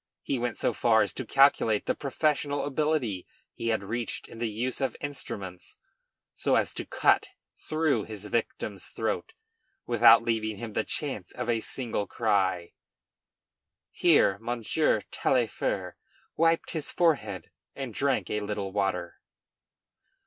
He went so far as to calculate the professional ability he had reached in the use of instruments, so as to cut through his victim's throat without leaving him the chance for a single cry. [Here Monsieur Taillefer wiped his forehead and drank a little water.